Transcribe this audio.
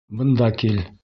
— Бында кил!